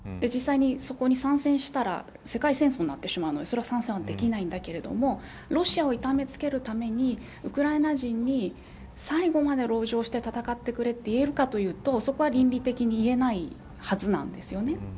実際に、そこに参戦したら世界戦争になってしまうのでそれは参戦はできないんだけどロシアを痛めつけるためにウクライナ人に最後まで籠城して戦ってくれと言えるかというとそこは、倫理的に言えないはずなんです。